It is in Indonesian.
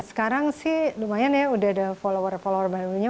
sekarang sih lumayan ya udah ada follower follower barunya